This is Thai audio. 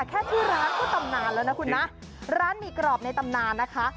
แค่ชื่อร้านก็ตำนานแล้วนะคุณนะร้านหมี่กรอบในตำนานนะคะ